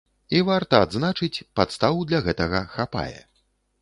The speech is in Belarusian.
І варта адзначыць, падстаў для гэтага хапае.